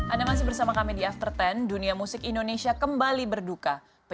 anda masih bersama kami di after sepuluh dunia musik indonesia kembali berduka